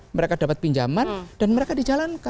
mereka dapat pinjaman dan mereka dijalankan